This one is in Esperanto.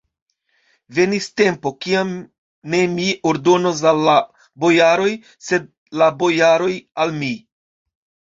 Venis tempo, kiam ne mi ordonos al la bojaroj, sed la bojaroj al mi!